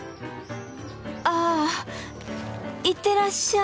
あ行ってらっしゃい。